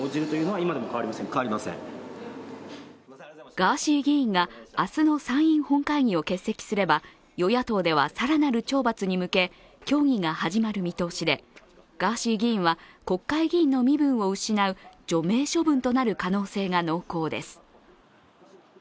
ガーシー議員が明日の参院本会議を欠席すれば与野党では更なる懲罰に向け協議が始まる見通しでガーシー議員は国会議員の身分を失う除名処分となる可能性が濃厚です。